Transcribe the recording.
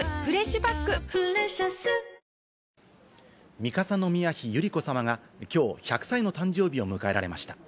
三笠宮妃百合子さまが、きょう１００歳の誕生日を迎えられました。